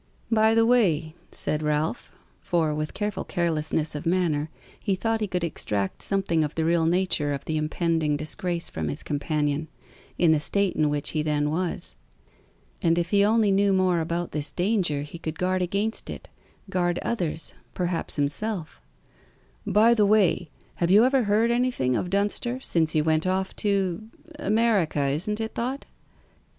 "By the way," said Ralph (for with careful carelessness of manner he thought he could extract something of the real nature of the impending disgrace from his companion, in the state in which he then was; and if he only knew more about this danger he could guard against it; guard others; perhaps himself) "By the way, have you ever heard anything of Dunster since he went off to America, isn't it thought?"